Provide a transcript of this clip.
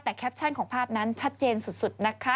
แต่แคปชั่นของภาพนั้นชัดเจนสุดนะคะ